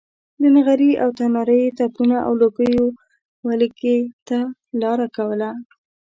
له نغري او تناره یې تپونو او لوګیو ولږې ته لاره کوله.